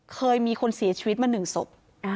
เคยมีคนเสียชีวิตมา๑ศพ